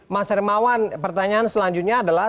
mas hermawan pertanyaan selanjutnya adalah